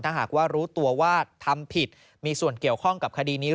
ถ้าหากว่ารู้ตัวว่าทำผิดมีส่วนเกี่ยวข้องกับคดีนี้